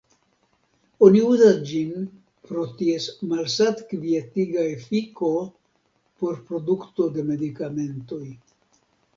Oni uzas ĝin pro ties malsat-kvietiga efiko por produkto de medikamentoj.